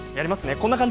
こんな感じ。